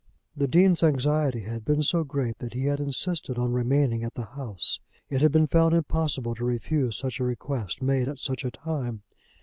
The Dean's anxiety had been so great that he had insisted on remaining at the house. It had been found impossible to refuse such a request made at such a time.